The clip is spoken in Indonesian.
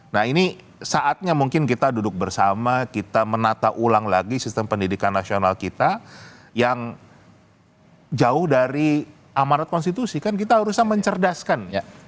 nah ini saatnya mungkin kita duduk bersama kita menata ulang lagi sistem pendidikan nasional kita yang jauh dari amanat konstitusi kan kita harusnya mencerdaskan